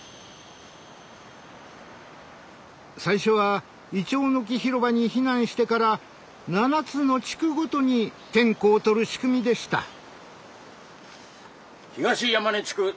最初はいちょうの木広場に避難してから７つの地区ごとに点呼を取る仕組みでした。